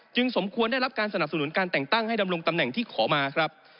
สมควรได้รับการสนับสนุนการแต่งตั้งให้ดำรงตำแหน่งที่ขอมาครับ